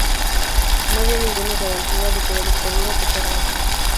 No había ninguna garantía de que la dictadura tocara a fin.